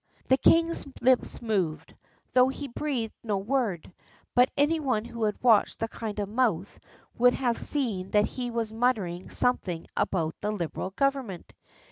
The king's lips moved, though he breathed no word; but any one who had watched the kind mouth would have seen that he was muttering something about that Liberal Government.